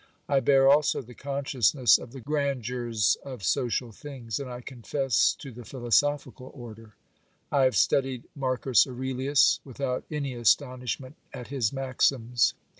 I bear also the consciousness of the grandeurs of social things, and I confess to the philosophical order. I have studied Marcus Aurelius without any astonishment at his maxims.